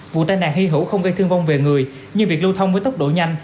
vụ tai nạn hy hữu không gây thương vong về người nhưng việc lưu thông với tốc độ nhanh